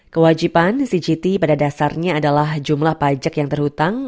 kewajiban cgt pada dasarnya adalah jumlah pajak yang terhutang